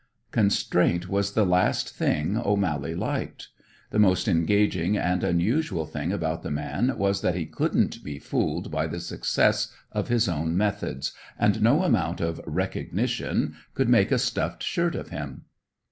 Constraint was the last thing O'Mally liked. The most engaging and unusual thing about the man was that he couldn't be fooled by the success of his own methods, and no amount of "recognition" could make a stuffed shirt of him.